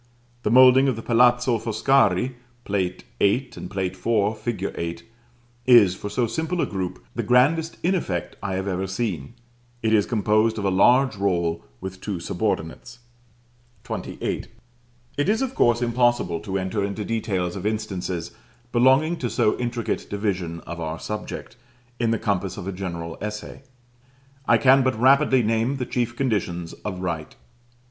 The moulding of the Palazzo Foscari (Plate VIII., and Plate IV. fig. 8) is, for so simple a group, the grandest in effect I have even seen: it is composed of a large roll with two subordinates. XXVIII. It is of course impossible to enter into details of instances belonging to so intricate division of our subject, in the compass of a general essay. I can but rapidly name the chief conditions of right.